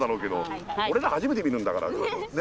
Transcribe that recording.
俺ら初めて見るんだから。ね？ね？